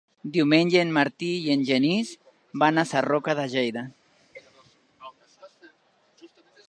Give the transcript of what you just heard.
Diumenge en Martí i en Genís van a Sarroca de Lleida.